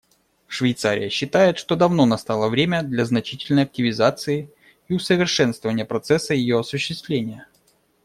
Швейцария считает, что давно настало время для значительной активизации и усовершенствования процесса ее осуществления.